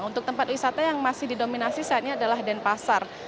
untuk tempat wisata yang masih didominasi saat ini adalah denpasar